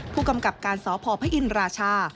ผู้กำกับการสพพระอินราชา